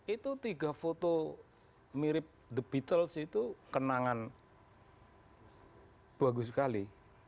itu tiga foto mirip the beatles itu kenangan bagus sekali